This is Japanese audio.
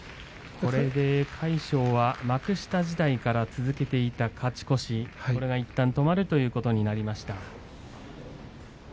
これで魁勝は幕下時代から続けていた勝ち越しがいったん止まることになりました。